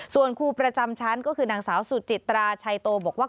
ส่วนครูประจำชั้นก็คือนางสาวสุจิตราชัยโตบอกว่า